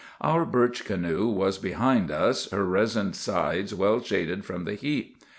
"Our birch canoe was behind us, her resined sides well shaded from the heat.